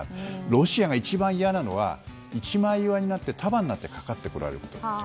ロシアが一番いやなのは一枚岩になって束になってかかってこられることです。